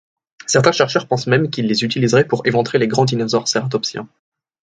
Certains chercheurs pensent même qu'il les utilisait pour éventrer les grands dinosaures cératopsiens.